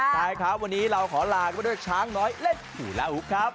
ใจครับวันนี้เราขอลากับด้วยช้างน้อยเล่นศุลาฮุครับ